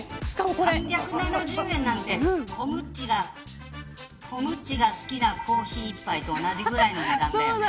３７０円なんてコムッチが好きなコーヒー１杯と同じくらいじゃない。